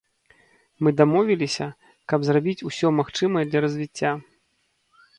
Мы дамовіліся, каб зрабіць усё магчымае для развіцця.